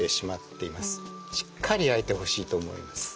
しっかり焼いてほしいと思います。